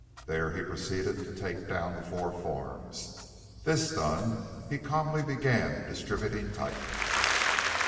There he proceeded to "take down" the four forms. This done he calmly began distributing type.